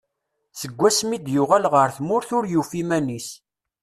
Seg wasmi i d-yuɣal ɣer tmurt ur yufi iman-is.